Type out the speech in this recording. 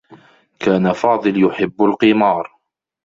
كان فاضل يحبّ القمار.